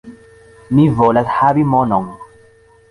Mi volas havi monon.